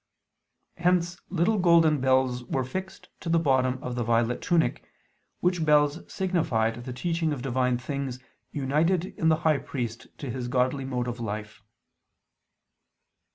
Hence little golden bells were fixed to the bottom of the violet tunic, which bells signified the teaching of divine things united in the high priest to his godly mode of life.